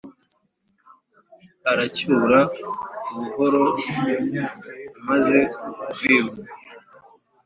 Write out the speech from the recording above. aracyura ubuhoro imaze kwivuga.